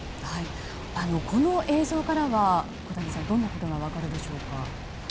この映像からはどんなことが分かるでしょうか。